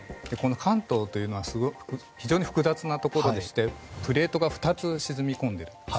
関東というのは非常に複雑なところでしてプレートが２つ沈み込んでいます。